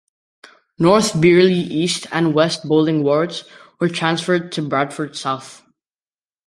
North Bierley East and West Bowling wards were transferred to Bradford South.